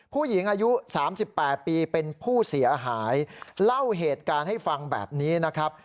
ผู้หญิงอายุ๓๘ปีเป็นผู้เสียหายเล่าเหตุการณ์ให้ฟังแบบนี้นะครับ